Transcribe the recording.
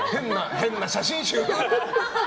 変な写真集！